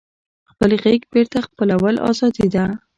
خپل غږ بېرته خپلول ازادي ده.